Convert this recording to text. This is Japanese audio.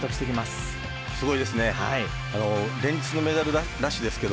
すごいですね。